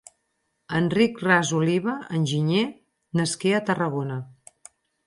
Enric Ras Oliva, enginyer, nasqué a Tarragona